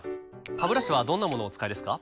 ハブラシはどんなものをお使いですか？